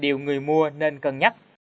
điều người mua nên cân nhắc